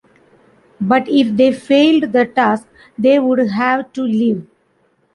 But if they failed the task they would have to leave.